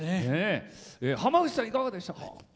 濱口さん、いかがでしたか。